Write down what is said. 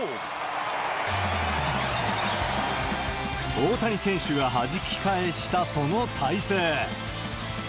大谷選手がはじき返したその体勢。